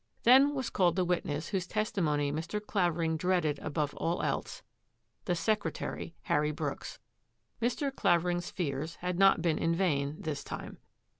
Then was called the witness whose testimony Mr. Clavering dreaded above all else — the secretary, Harry Brooks. Mr. Clavering's fears had not been in vain this time.